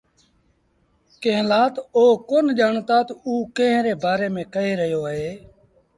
ڪݩهݩ لآ تا اوٚ ڪون ڄآڻتآ تا اوٚ ڪݩهݩ ري بآري ميݩ ڪهي رهيو اهي۔